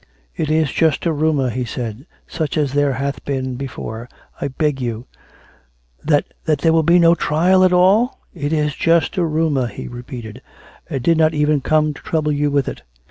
" It is just a riunour," he said, " such as there hath been before. I beg you "" That ... there will be no trial at all? "" It is just a rumour," he repeated. " I did not even come to trouble you with it.